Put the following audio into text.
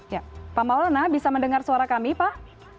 ya pak maulana bisa mendengar suara kami pak